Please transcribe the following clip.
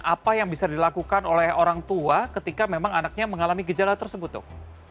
apa yang bisa dilakukan oleh orang tua ketika memang anaknya mengalami gejala tersebut dok